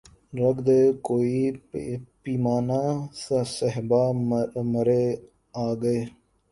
رکھ دے کوئی پیمانۂ صہبا مرے آگے